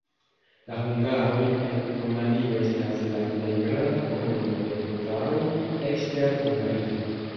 La hungaroj en Rumanio estas la plej granda komunumo de hungaroj ekster Hungario.